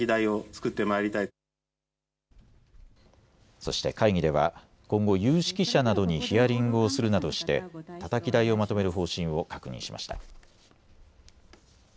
そして会議では今後、有識者などにヒアリングをするなどしてたたき台をまとめる方針を確認しました。